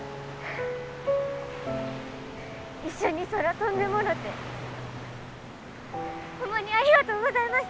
一緒に空飛んでもろてホンマにありがとうございました。